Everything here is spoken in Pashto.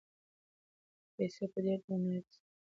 پیسې په ډېر درناوي سره د خاوند په وړاندې کېښودل شوې.